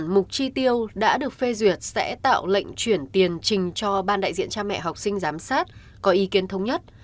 mục chi tiêu đã được phê duyệt sẽ tạo lệnh chuyển tiền trình cho ban đại diện cha mẹ học sinh giám sát có ý kiến thống nhất